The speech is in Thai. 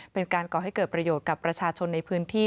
ก่อให้เกิดประโยชน์กับประชาชนในพื้นที่